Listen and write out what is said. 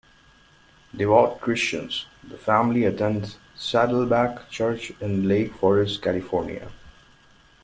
Devout Christians, the family attends Saddleback Church in Lake Forest, California.